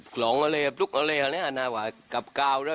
หล่องอะไรปลุ๊กอะไรอย่างนี้อ่ะด้วย